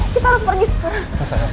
kita harus pergi sekarang